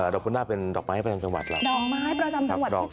โดกพุนนาศเป็นดอกไม้ประจำจังหวัดเรา